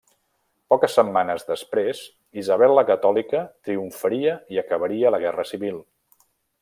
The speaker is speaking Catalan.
Poques setmanes després, Isabel la Catòlica triomfaria i acabaria la guerra civil.